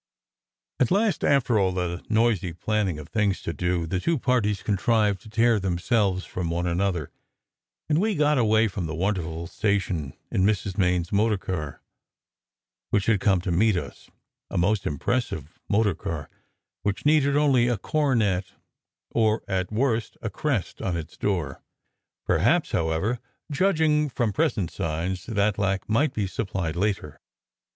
At last, after all the noisy planning of things to do, the two parties contrived to tear themselves from one another, and we got away from the wonderful station in Mrs. Main s motor car, which had come to meet us a most impres sive motor car which needed only a coronet or at worst a crest, on its door. Perhaps, however, judging from present signs, that lack might be supplied later.